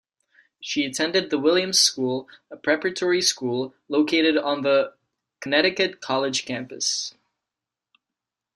She attended the Williams School, a preparatory school, located on the Connecticut College campus.